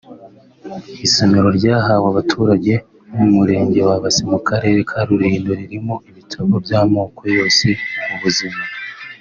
Isomero ryahawe abaturage bo mu Murenge wa Base mu Karere ka Rulindo ririmo ibitabo by’amoko yose ubuzima